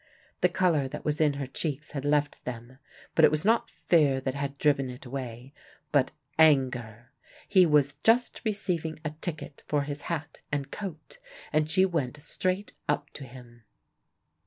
The color that was in her cheeks had left them, but it was not fear that had driven it away, but anger. He was just receiving a ticket for his hat and coat, and she went straight up to him.